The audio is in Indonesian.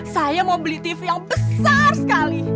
saya mau beli tv yang besar sekali